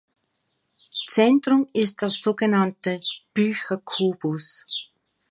Zentrum ist der sogenannte Bücher-Kubus.